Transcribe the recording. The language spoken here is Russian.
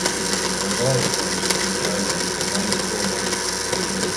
Пожалуйста, Австралия, вам слово.